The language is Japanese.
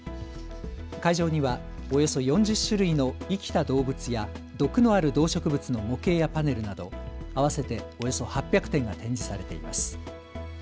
会場にはおよそ４０種類の生きた動物や毒のある動植物の模型やパネルなど合わせておよそ８００点が展示されています。